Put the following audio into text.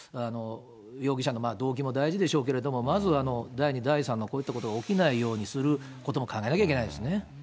容疑者の動機も大事でしょうけれども、まず第２、第３のこういったことが起きないようにすることも考えなきゃいけないですね。